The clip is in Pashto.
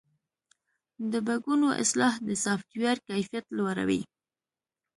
د بګونو اصلاح د سافټویر کیفیت لوړوي.